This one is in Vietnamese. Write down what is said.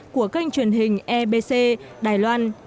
của kênh truyền hình ebc đài loan